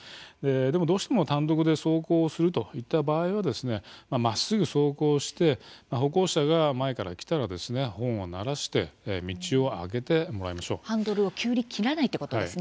どうしても単独で走行するという場合は、まっすぐ走行して歩行者が前から来たらホーンを鳴らしてハンドルを急に切らないということですね。